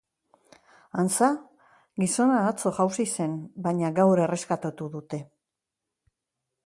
Antza, gizona atzo jausi zen, baina gaur erreskatatu dute.